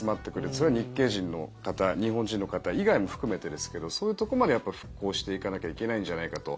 それは日系人の方日本人の方以外も含めてですけどそういうところまで復興していかなきゃいけないんじゃないかと。